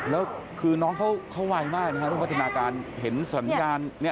แล้วน้องเค้าไวมากวิธีนาการเห็นสัญญาณ